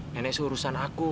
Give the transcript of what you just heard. nenek seurusan aku